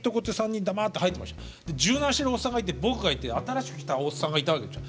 柔軟してるおっさんがいて僕がいて新しく来たおっさんがいたわけですよ。